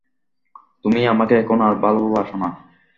তুমি আমাকে এখন আর ভালোবাসো না।